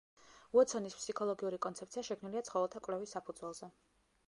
უოტსონის ფსიქოლოგიური კონცეფცია შექმნილია ცხოველთა კვლევის საფუძველზე.